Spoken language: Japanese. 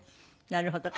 なるほど。